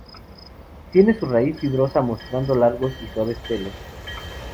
Tiene su raíz fibrosa, mostrando largos y suaves pelos.